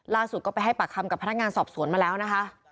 ล่าสุดก็ไปให้ปากคำกับพนักงานสอบสวนมาแล้วนะคะ